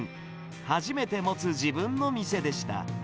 初めて持つ自分の店でした。